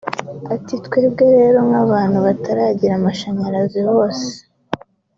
Ati “Twebwe rero nk’abantu bataragira amashanyarazi hose